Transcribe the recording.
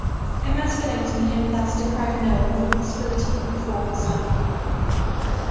Emasculating him thus deprived Noah of the possibility of a fourth son.